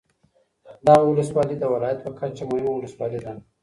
دغه ولسوالي د ولایت په کچه مهمه ولسوالي ده.